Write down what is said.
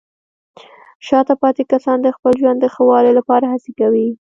شاته پاتې کسان د خپل ژوند د ښه والي لپاره هڅې کوي.